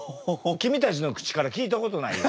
君たちの口から聞いたことないよ。